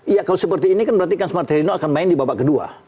iya kalau seperti ini kan berarti kan martelino akan main di babak kedua